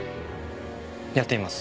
やってみます。